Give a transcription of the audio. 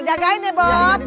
jagain deh bob